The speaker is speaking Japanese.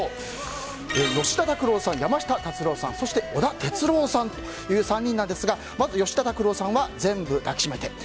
吉田拓郎さん、山下達郎さんそして織田哲郎さんという３人なんですがまず吉田拓郎さんは「全部だきしめて」